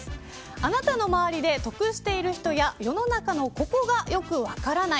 あなたの周りで、得している人や世の中のここがよく分からない